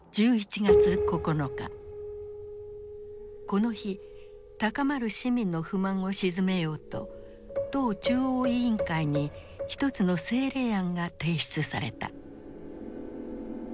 この日高まる市民の不満を鎮めようと党中央委員会に一つの政令案が提出された。